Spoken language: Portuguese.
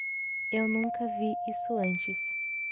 Eu nunca vi isso antes.